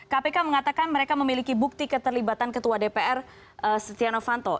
kpk mengatakan mereka memiliki bukti keterlibatan ketua dpr setia novanto